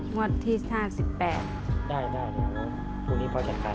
มอดที่๕๘